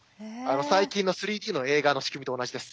最近の３Ｄの映画の仕組みと同じです。